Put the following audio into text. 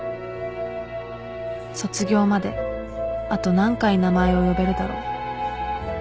卒業まであと何回名前を呼べるだろう